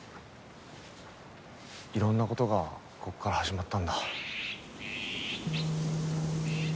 いろんな事がここから始まったんだ。